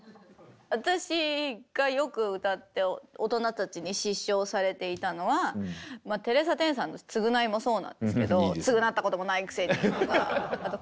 私がよく歌って大人たちに失笑されていたのはテレサ・テンさんの「つぐない」もそうなんですけど「つぐなったこともないくせに」とか。